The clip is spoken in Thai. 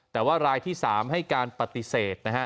แต่ว่ารายที่๓ให้การปฏิเสธนะฮะ